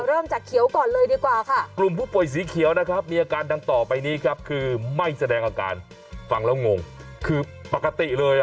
เริ่มจากเขียวก่อนเลยดีกว่าค่ะกลุ่มผู้ป่วยสีเขียวนะครับมีอาการดังต่อไปนี้ครับคือไม่แสดงอาการฟังแล้วงงคือปกติเลยอ่ะ